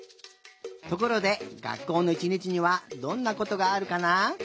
ところでがっこうのいちにちにはどんなことがあるかな？